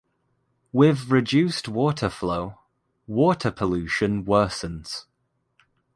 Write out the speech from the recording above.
With reduced water flow, water pollution worsens.